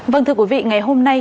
vâng thưa quý vị ngày hôm nay